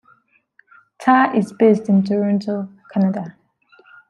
Ta is based in Toronto, Canada.